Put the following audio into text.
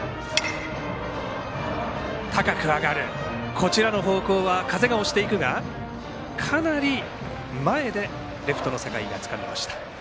こちらの方向は風が押していくがかなり前でレフトの酒井がつかみました。